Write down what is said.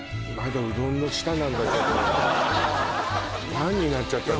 パンになっちゃったの？